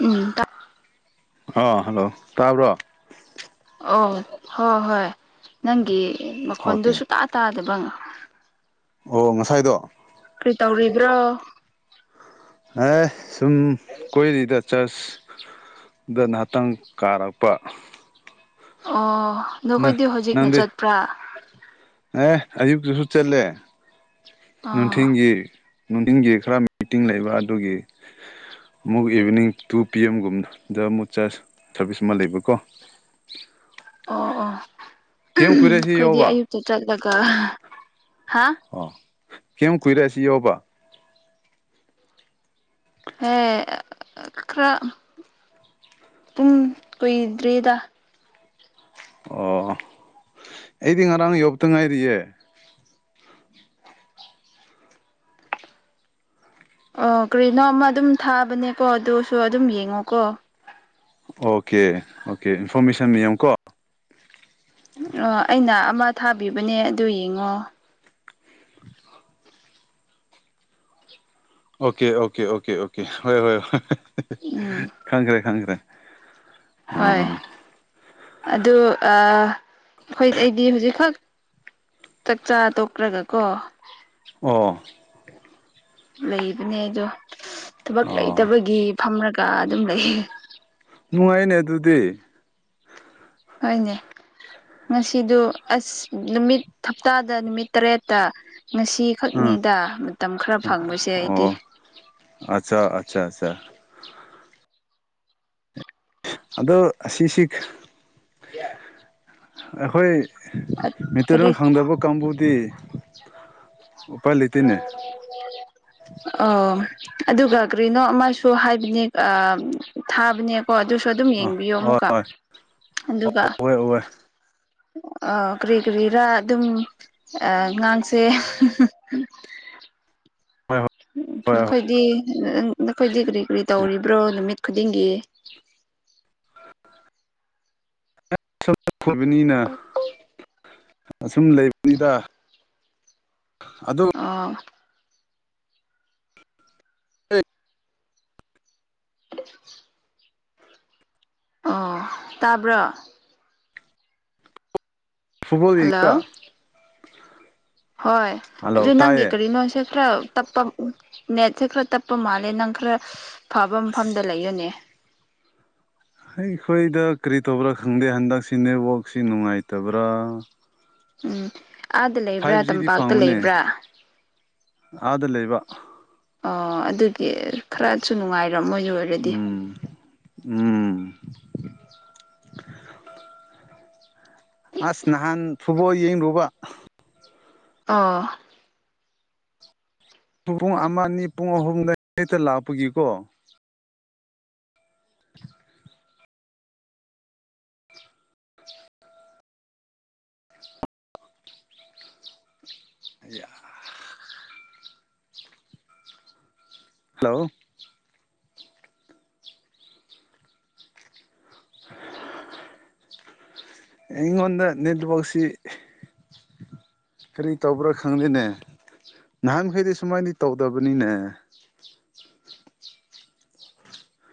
ꯎꯝ ꯑꯥ ꯍꯜꯂꯣ ꯇꯥꯕ꯭ꯔꯣ ꯑꯣ ꯍꯣꯏ ꯍꯣꯏ ꯅꯪꯒꯤ ꯃꯈꯣꯟꯗꯨ ꯑꯣꯀꯦ ꯁꯨꯇꯥ ꯇꯥꯗꯕ ꯑꯣ ꯉꯁꯥꯏꯗꯣ ꯀ꯭ꯔꯤ ꯇꯧꯔꯤꯕ꯭ꯔꯣ ꯑꯦ ꯁꯨꯝ ꯀꯣꯏꯔꯤꯗ ꯆꯁ ꯗ ꯉꯍꯥꯛꯇꯪ ꯀꯥꯔꯛꯄ ꯑꯣ ꯅ ꯅꯈꯣꯏꯗꯤ ꯍꯧꯖꯤꯛꯅ ꯅꯪꯗꯤ ꯆꯠꯄ꯭ꯔꯥ ꯑꯦ ꯑꯌꯨꯛꯇꯁꯨ ꯆꯠꯂꯦ ꯑꯥ ꯅꯨꯡꯊꯤꯟꯒꯤ ꯅꯨꯡꯊꯤꯟꯒꯤ ꯈꯔ ꯃꯤꯇꯤꯡ ꯂꯩꯕ ꯑꯗꯨꯒꯤ ꯑꯃꯨꯛ ꯏꯚꯤꯅꯤꯡ ꯇꯨ ꯄꯤ ꯑꯦꯝꯒꯨꯝꯗ ꯑꯃꯨꯛ ꯆꯁ ꯁꯥꯔꯚꯤꯁ ꯑꯃ ꯂꯩꯕꯀꯣ ꯑꯣ ꯑꯣ [unintelligible] ꯀꯌꯥꯝ ꯀꯨꯏꯔꯦ ꯁꯤ ꯑꯩꯈꯣꯏꯗꯤ ꯌꯧꯕ ꯑꯌꯨꯛꯇ ꯆꯠꯂꯒ ꯍꯥ ꯑꯣ ꯀꯌꯥꯝ ꯀꯨꯏꯔꯦ ꯑꯁꯤ ꯌꯥꯎꯕ ꯍꯦ ꯈꯔ ꯄꯨꯡ ꯀꯨꯏꯗ꯭ꯔꯤꯗ ꯑꯣ ꯑꯩꯗꯤ ꯉꯔꯥꯡ ꯌꯧꯕꯇ ꯉꯥꯏꯔꯤꯌꯦ ꯑꯣ ꯀꯔꯤꯅꯣ ꯑꯃ ꯑꯗꯨꯝ ꯊꯥꯕꯅꯦꯀꯣ ꯑꯗꯨꯁꯨ ꯑꯗꯨꯝ ꯌꯦꯡꯉꯣꯀꯣ ꯑꯣꯀꯦ ꯑꯣꯀꯦ ꯏꯟꯐꯣꯔꯃꯦꯁꯟ ꯌꯦ ꯌꯦꯉꯨꯀꯣ ꯑꯣ ꯑꯩꯅ ꯑꯃ ꯊꯥꯕꯤꯕꯅꯦ ꯑꯗꯨ ꯌꯦꯡꯉꯣ ꯑꯣꯀꯦ ꯑꯣꯀꯦ ꯑꯣꯀꯦ ꯑꯣꯀꯦ ꯍꯣꯏ ꯍꯣꯏ ꯎꯝ ꯈꯪꯈ꯭ꯔꯦ ꯈꯪꯈ꯭ꯔꯦ ꯍꯣꯏ ꯎꯝ ꯑꯗꯨ ꯑꯩꯈꯣꯏ ꯑꯩꯗꯤ ꯍꯧꯖꯤꯛꯈꯛ ꯆꯥꯛꯆꯥ ꯇꯣꯛꯈ꯭ꯔꯒ ꯀꯣ ꯑꯣ ꯂꯩꯕꯅꯦ ꯑꯗꯣ ꯊꯕꯛ ꯑꯣ ꯂꯩꯇꯕꯒꯤ ꯐꯝꯔꯒ ꯑꯗꯨꯝ ꯂꯩꯌꯦ ꯅꯨꯡꯉꯥꯏꯅꯦ ꯑꯗꯨꯗꯤ ꯍꯣꯏꯅꯦ ꯉꯁꯤꯗꯨ ꯑꯁ ꯅꯨꯃꯤꯠ ꯍꯞꯇꯥꯗ ꯅꯨꯃꯤꯠ ꯇꯔꯦꯠꯇ ꯉꯁꯤ ꯎꯝ ꯈꯛꯅꯤꯗ ꯃꯇꯝ ꯈꯔ ꯐꯪꯕꯁꯦ ꯑꯩꯗꯤ ꯑꯆꯥ ꯑꯆꯥ ꯑꯆꯥ ꯆ ꯑꯗꯣ ꯑꯁꯤꯁꯤ ꯌꯥ ꯑꯩꯈꯣꯏ ꯀꯔꯤ ꯃꯩꯇꯩꯔꯜ ꯍꯪꯗꯕ ꯀꯥꯡꯕꯨꯗꯤ ꯎꯄꯥꯏ ꯂꯩꯇꯦꯅꯦ [unintelligible] ꯑꯣ ꯑꯗꯨꯒ ꯀ꯭ꯔꯤꯅꯣ ꯑꯃꯁꯨ ꯍꯥꯏꯕꯅꯦ ꯊꯥꯕꯅꯦ ꯍꯣꯏ ꯑꯗꯨꯁꯨ ꯑꯗꯨꯝ ꯌꯦꯡꯕꯤꯌꯣ ꯑꯃꯨꯛꯀ ꯑꯗꯨꯒ ꯑꯣꯏ ꯑꯣꯏ ꯀꯔꯤ ꯀꯔꯤꯔꯥ ꯑꯗꯨꯝ ꯑꯉꯥꯡꯁꯦ ꯎꯝ ꯍꯣꯏ ꯍꯣꯏ ꯍꯣꯏ ꯅꯈꯣꯏꯗꯤ ꯅꯈꯣꯏꯗꯤ ꯀ꯭ꯔꯤ ꯀꯔꯤ ꯍꯣꯏ ꯇꯧꯔꯤꯕ꯭ꯔꯣ ꯅꯨꯃꯤꯠ ꯈꯨꯗꯤꯡꯒꯤ ꯐꯣꯏꯕꯅꯤꯅ ꯑꯁꯨꯝ ꯂꯩꯕꯅꯤꯗ ꯑꯗꯨ ꯑꯥ [unintelligible] ꯑꯣ ꯇꯥꯕ꯭ꯔꯣ ꯐꯨꯠꯕꯣꯜ ꯌꯦꯕ꯭ꯔ ꯍꯜꯂꯣ ꯍꯣꯏ ꯍꯜꯂꯣ ꯑꯗꯨ ꯅꯪꯒꯤ ꯇꯥꯏꯌꯦ ꯀꯔꯤꯅꯣꯁꯦ ꯈꯔ ꯇꯞꯄ ꯅꯦꯠꯁꯦ ꯈꯔ ꯇꯞꯄ ꯃꯥꯜꯂꯦ ꯅꯪ ꯈꯔ ꯐꯕ ꯃꯐꯝꯗ ꯑꯁ ꯂꯩꯌꯣꯅꯦ ꯑꯩꯈꯣꯏꯗ ꯀꯔꯤ ꯇꯧꯕ꯭ꯔꯥ ꯈꯪꯗꯦ ꯍꯟꯗꯛꯁꯤ ꯅꯦꯠꯋꯥꯛꯁꯤ ꯅꯨꯡꯉꯥꯏꯇꯕ꯭ꯔꯥ ꯎꯝ ꯑꯥꯗ ꯐꯥꯏꯚ ꯂꯩꯕ꯭ꯔꯥ ꯖꯤꯗꯤ ꯇꯝꯄꯥꯛꯇ ꯐꯪꯕꯅꯦ ꯂꯩꯕ꯭ꯔꯥ ꯑꯥꯗ ꯂꯩꯕ ꯑꯣ ꯑꯗꯨꯒꯤ ꯈꯔꯁꯨ ꯅꯨꯡꯉꯥꯏꯔꯣ ꯃꯣꯏ ꯎꯝ ꯎꯝ ꯑꯁ ꯅꯍꯥꯟ ꯐꯨꯠꯕꯣꯜ ꯌꯦꯡꯂꯨꯕ ꯑꯥ ꯄꯨꯡ ꯑꯃ ꯑꯅꯤ ꯄꯨꯡ ꯑꯍꯨꯝꯗ ꯍꯦꯛꯇ ꯂꯥꯛꯄꯒꯤꯀꯣ [unintelligible] ꯑ [unintelligible] ꯍꯜꯂꯣ [unintelligible] ꯑꯩꯉꯣꯜꯗ ꯅꯦꯠꯋꯥꯛꯁꯤ ꯀꯔꯤ ꯇꯧꯕ꯭ꯔꯥ ꯈꯪꯗꯦꯅꯦ ꯅꯍꯥꯟ ꯃꯈꯩꯗꯤ ꯁꯨꯃꯥꯏꯅꯗꯤ ꯇꯧꯗꯕꯅꯤꯅꯦ